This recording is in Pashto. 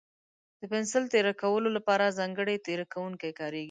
د پنسل تېره کولو لپاره ځانګړی تېره کوونکی کارېږي.